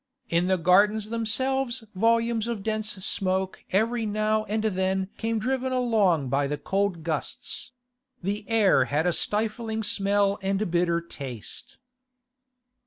In the Gardens themselves volumes of dense smoke every now and then came driven along by the cold gusts; the air had a stifling smell and a bitter taste.